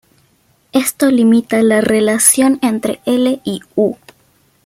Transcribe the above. Esto limita la relación entre "L" y "U".